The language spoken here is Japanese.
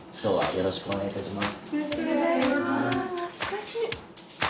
よろしくお願いします